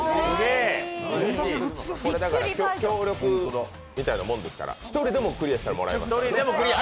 これ、協力してのもんですから、１人でもクリアしたらもらえます。